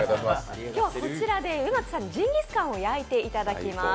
こちらで植松さんにジンギスカンを焼いていただきます。